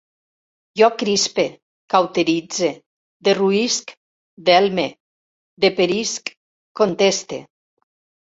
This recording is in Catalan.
Jo crispe, cauteritze, derruïsc, delme, deperisc, conteste